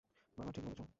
বাবা, ঠিক বলেছ।